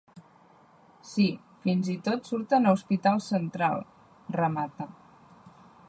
Si fins i tot surten a “Hospital Central” —remata.